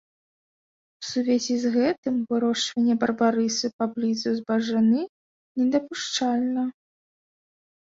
У сувязі з гэтым вырошчванне барбарысу паблізу збажыны недапушчальна.